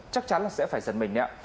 chắc chắn là sẽ phải giận mình